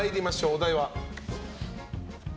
お題は？